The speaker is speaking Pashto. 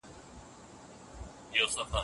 افغانانو په ډېره لږه موده کې بریا ترلاسه کړه.